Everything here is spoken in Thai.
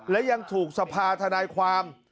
และยังถูกสภาธนายความ